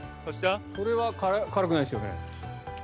それは辛くないですよね？